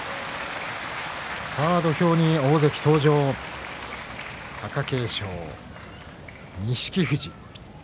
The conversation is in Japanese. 土俵に大関登場、貴景勝錦富士。